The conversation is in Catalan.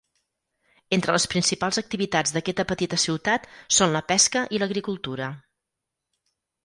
Entre les principals activitats d'aquesta petita ciutat són la pesca i l'agricultura.